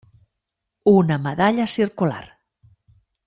Una medalla circular.